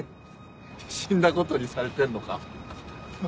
死んだことにされてんのか？